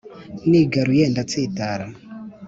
nigaruye ndatsitara